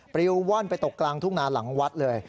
ปริวว่อนไปตกกลางทุ่งนาหลังวัดเลย